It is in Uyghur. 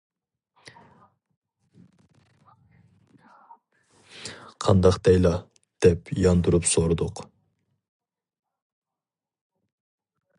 قانداق دەيلا؟— دەپ ياندۇرۇپ سورىدۇق .